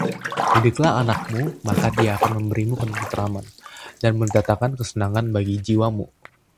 Didiklah anakmu, maka dia akan memberimu ketenteraman, dan mendatangkan kesenangan bagi jiwamu.